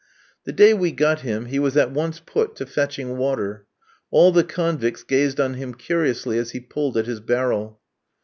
The day we got him he was at once put to fetching water. All the convicts gazed on him curiously as he pulled at his barrel.